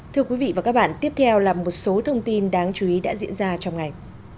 thưa quý vị và các bạn tiếp theo là một số thông tin đáng chú ý đã diễn ra trong ngày